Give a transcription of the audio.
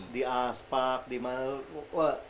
di aspak di malu